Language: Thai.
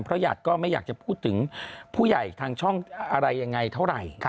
หยาดก็ไม่อยากจะพูดถึงผู้ใหญ่ทางช่องอะไรยังไงเท่าไหร่